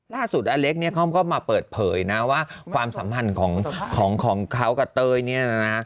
อเล็กเนี่ยเขาก็มาเปิดเผยนะว่าความสัมพันธ์ของเขากับเต้ยเนี่ยนะ